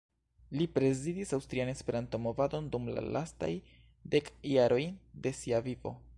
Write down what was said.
Li prezidis Aŭstrian Esperanto-Movadon dum la lastaj dek jaroj de sia vivo.